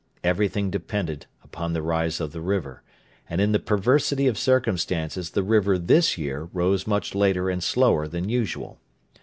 Everything depended upon the rise of the river, and in the perversity of circumstances the river this year rose much later and slower than usual.